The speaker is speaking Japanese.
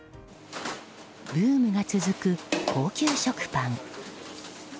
ブームが続く高級食パン。